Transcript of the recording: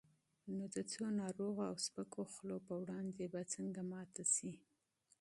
نو د څو ناروغو او سپکو خولو پر وړاندې به څنګه ماته شي؟